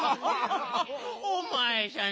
おまえさん